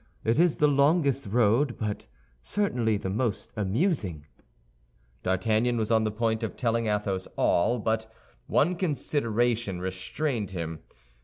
It is the longest road, but certainly the most amusing." D'Artagnan was on the point of telling Athos all; but one consideration restrained him.